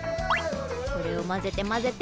これを混ぜて混ぜて。